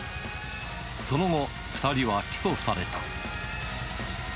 その後、２人は起訴された。